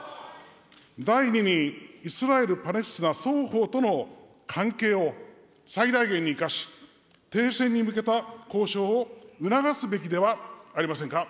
第２にイスラエル・パレスチナ双方との関係を最大限に生かし、停戦に向けた交渉を促すべきではありませんか。